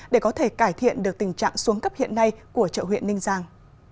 để có thể cải thiện được tình trạng xuống cấp hiện nay của chợ huyện ninh giang